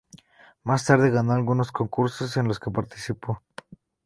Más tarde ganó algunos concursos en los que participó.